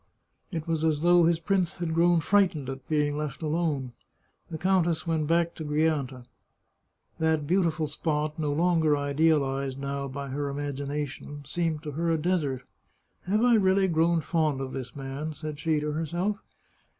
It was as though his prince had grown fright ened at being left alone. The countess went back to Gri anta. That beautiful spot, no longer idealized, now, by her imagination, seemed to her a desert. " Have I really grown fond of this man ?" said she to herself.